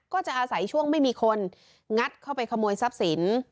ก็จะอาศัยช่วงไม่มีคนงัดเข้าไปขโมยทรัพย์สิน